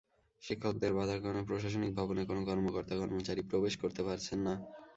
শিক্ষকদের বাধার কারণে প্রশাসনিক ভবনে কোনো কর্মকর্তা-কর্মচারী প্রবেশ করতে পারছেন না।